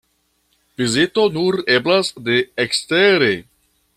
Vizito nur eblas de ekstere.